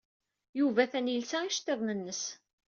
Yuba atan yelsa iceṭṭiḍen-nnes.